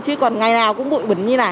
chứ còn ngày nào cũng bụi bẩn như này